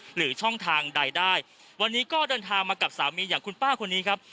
หรือช่องทางใดได้วันนี้ก็เดินทางมากับสามีอย่างคุณป้าคนนี้ครับ